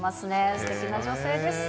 すてきな女性です。